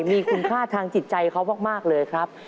มีคุณค่าทางจิตใจเขามากเลยครับ